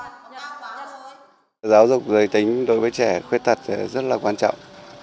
giáo dục giới tính đối với trẻ khuyết tật rất là quan trọng